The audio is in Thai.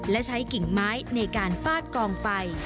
และใช้กิ่งไม้ในการฟาดกองไฟ